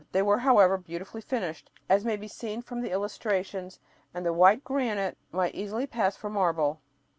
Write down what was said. They were, however, beautifully finished, as may be seen from the illustrations, and the white granite might easily pass for marble.